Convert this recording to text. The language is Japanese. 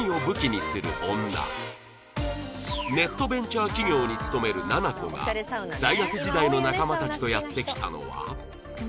ネットベンチャー企業に勤めるナナコが大学時代の仲間たちとやって来たのは